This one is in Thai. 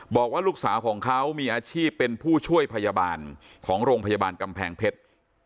บอกว่าลูกสาวของเขามีอาชีพเป็นผู้ช่วยพยาบาลของโรงพยาบาลกำแพงเพชร